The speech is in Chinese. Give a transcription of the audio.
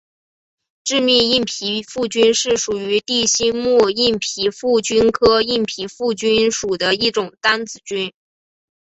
致密硬皮腹菌是属于地星目硬皮腹菌科硬皮腹菌属的一种担子菌。